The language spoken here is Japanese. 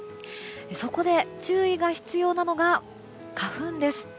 そこで、注意が必要なのが花粉です。